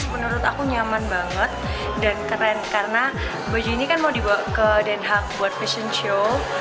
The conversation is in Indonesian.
menurut aku nyaman banget dan keren karena baju ini kan mau dibawa ke den haag buat fashion show